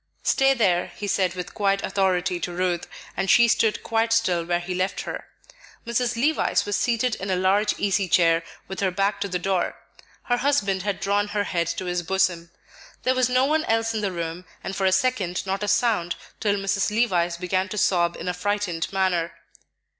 "Stay there," he said with quiet authority to Ruth, and she stood quite still where he left her. Mrs. Levice was seated in a large easy chair with her back to the door; her husband had drawn her head to his bosom. There was no one else in the room, and for a second not a sound, till Mrs. Levice began to sob in a frightened manner.